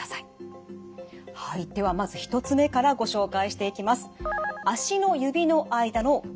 はいではまず１つ目からご紹介していきます。